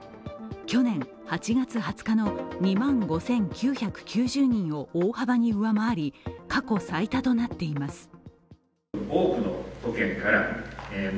去年８月２０日の２万５９９０人を大幅に上回り過去最多となっています。